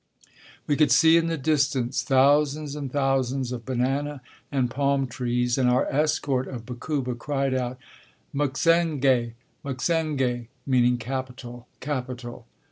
We could see in the distance thousands and thousands of banana and palm trees and our escort of Bakuba cried out, "Muxenge! muxenge!" (meaning capital! capital!).